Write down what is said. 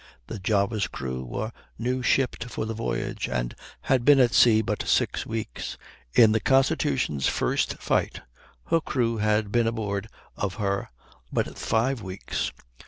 The Java's crew was new shipped for the voyage, and had been at sea but six weeks; in the Constitution's first fight her crew had been aboard of her but five weeks.